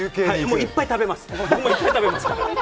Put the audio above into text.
もう、いっぱい食べます。